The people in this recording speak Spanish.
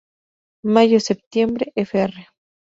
Mayo-septiembre, fr.